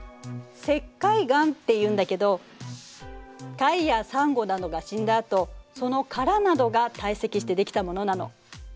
石灰岩っていうんだけど貝やサンゴなどが死んだあとその殻などが堆積してできたものなの。